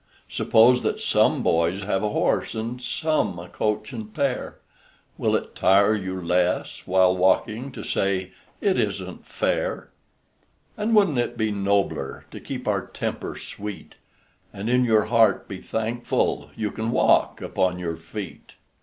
Suppose that some boys have a horse, And some a coach and pair, Will it tire you less while walking To say, "It is n't fair?" And would n't it be nobler To keep your temper sweet, And in your heart be thankful You can walk upon your feet?